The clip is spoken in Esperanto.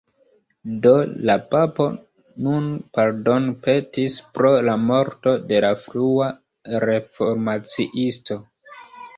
Do, la papo nun pardonpetis pro la morto de la frua reformaciisto.